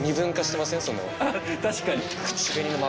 確かに。